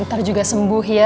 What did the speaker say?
ntar juga sembuh ya